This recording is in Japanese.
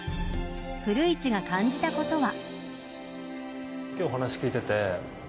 古市が感じたことは。